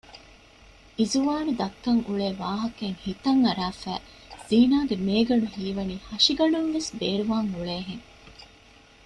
އިޒުވާނު ދައްކަން އުޅޭ ވާހަކައެއް ހިތަން އަރާފައި ޒީނާގެ މޭގަނޑު ހީވަނީ ހަށިގަނޑުންވެސް ބޭރުވާން އުޅޭހެން